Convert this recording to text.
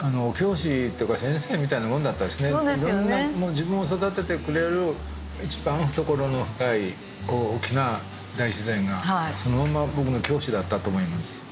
自分を育ててくれる一番懐の深い大きな大自然がそのまま僕の教師だったと思います。